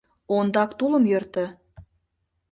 Ондак тулым йӧртӧ.